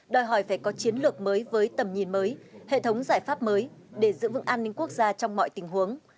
đòi hỏi phải có chiến lược mới với tầm nhìn mới hệ thống giải pháp mới để giữ vững an ninh quốc gia trong mọi tình huống